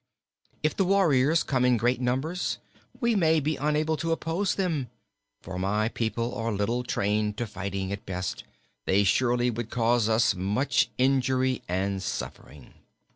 If the warriors come in great numbers we may be unable to oppose them, for my people are little trained to fighting at best; they surely would cause us much injury and suffering."